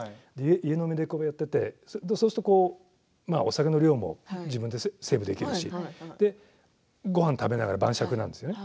家飲みで飲んでいてお酒の量も自分でセーブできるしごはんを食べながら晩酌なんですよね。